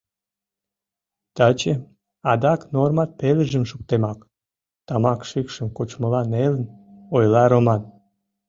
Таче адак нормат пелыжым шуктемак! — тамак шикшым кочмыла нелын, ойла Роман.